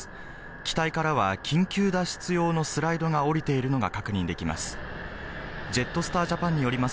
機体からは緊急脱出用のスライドが降りているのが確認できます。